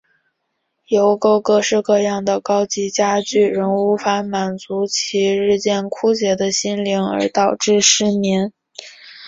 邮购各式各样的高级家具仍无法满足其日渐枯竭的心灵而导致失眠。